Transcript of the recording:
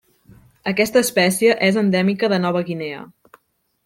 Aquesta espècie és endèmica de Nova Guinea.